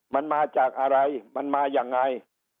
มันมาจากอะไรมันมายังไง